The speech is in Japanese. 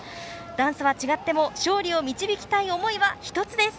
ダンスは違っても勝利を導きたい思いは一つです。